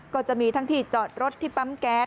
ก็จะมีทั้งที่จอดรถที่ปั๊มแก๊ส